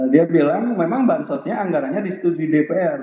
dia bilang memang bansosnya anggaranya di studi dpr